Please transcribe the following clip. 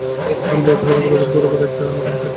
আমাদের অতিথিরা গোলাপের পাপরির, কার্পেটে হেঁটে আসবেন।